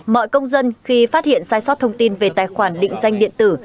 mọi công dân khi phát hiện sai sót thông tin về tài khoản định danh điện tử